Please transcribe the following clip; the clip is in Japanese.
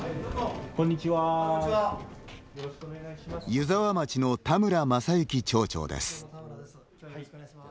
湯沢町の田村正幸町長です。